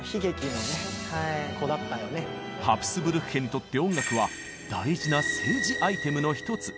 ハプスブルク家にとって音楽は大事な政治アイテムの一つ。